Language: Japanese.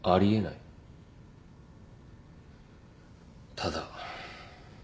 ただ。